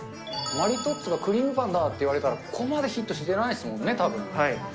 マリトッツォがクリームパンだって言われたら、ここまでヒットしてないですもんね、たぶん。